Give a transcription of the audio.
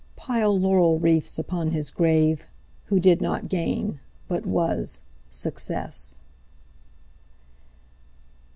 Pile laurel wreaths upon his graveWho did not gain, but was, success.